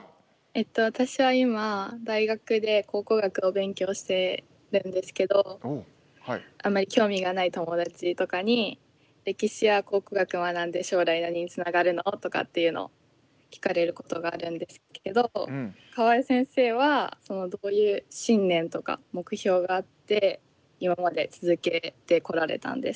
えっと私は今大学で考古学を勉強しているんですけどあまり興味がない友達とかに「歴史や考古学を学んで将来何につながるの？」とかっていうのを聞かれることがあるんですけど河江先生はどういう信念とか目標があって今まで続けてこられたんですか？